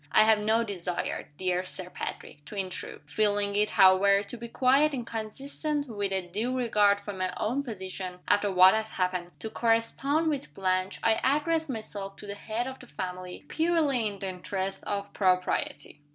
I have no desire, dear Sir Patrick, to intrude. Feeling it, however, to be quite inconsistent with a due regard for my own position after what has happened to correspond with Blanche, I address myself to the head of the family, purely in the interests of propriety.